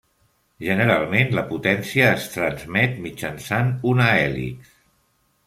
Generalment la potència es transmet mitjançant una hèlix.